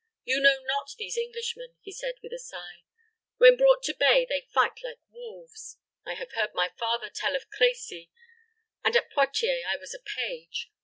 "You know not these Englishmen," he said, with a sigh. "When brought to bay, they fight like wolves. I have heard my father tell of Creçy; and at Poictiers I was a page.